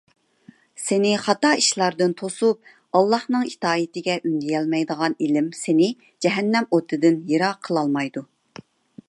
سېنى خاتا ئىشلاردىن توسۇپ، ئاللاھنىڭ ئىتائىتىگە ئۈندىيەلمەيدىغان ئىلىم سېنى جەھەننەم ئوتىدىن يىراق قىلالمايدۇ.